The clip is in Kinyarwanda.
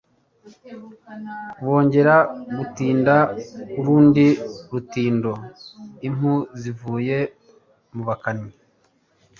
bongeraga gutinda urundi rutindo impu zivuye mu bakannyi